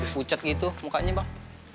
pucat gitu mukanya bang